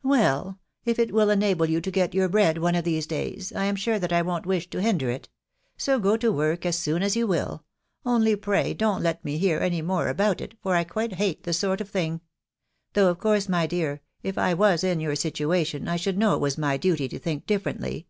" Well, .... if it will enable you to get your bread one of these days, I am sure that I don't wish to hinder it, — so go to work as soon as you will,— only pray don't let me hear any more about it, for I quite hate the sort of thing,— though of course, my dear, if I was in your situation, I should know it was my duty to think differently.